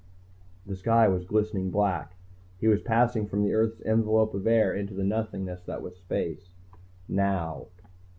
The sky was glistening black, he was passing from the earth's envelope of air into the nothingness that was space. Now. Now.